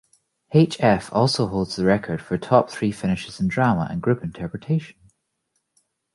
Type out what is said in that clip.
H-F also holds the record for top three finishes in Drama and Group Interpretation.